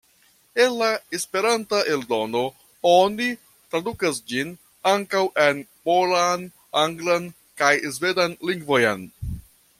El la Esperanta eldono oni tradukas ĝin ankaŭ en polan, anglan kaj svedan lingvojn.